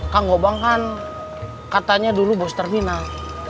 kang gobang kan katanya dulu bos terminal